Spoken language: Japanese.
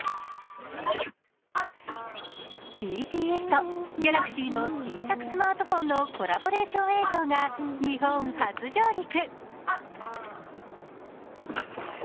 ＢＴＳとギャラクシーの新作スマートフォンのコラボレーション映像が日本初上陸。